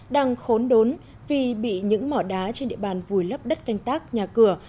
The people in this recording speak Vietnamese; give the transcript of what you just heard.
đang khốn đốn vì bị những mỏ đá trên địa bàn vùi lấp đất canh tác nhà cửa